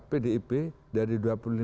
pdip dari dua puluh lima